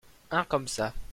Un comme ça.